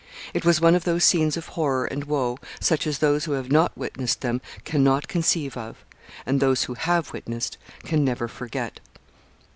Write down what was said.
It was one of those scenes of horror and woe such as those who have not witnessed them can not conceive of, and those who have witnessed can never forget.